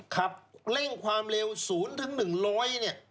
ขับเร่งความเร็ว๐๑๐๐เนี่ย